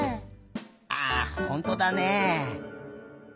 あっほんとだね！